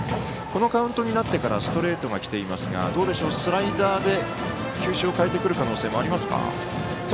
このカウントになってからストレートがきていますがスライダーに球種を変えてくる可能性もありますか？